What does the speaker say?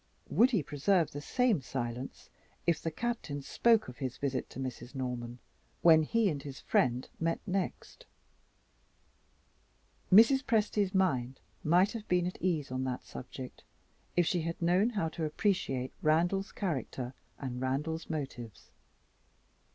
Would he preserve the same silence if the Captain spoke of his visit to Mrs. Norman, when he and his friend met next? Mrs. Presty's mind might have been at ease on that subject, if she had known how to appreciate Randal's character and Randal's motives.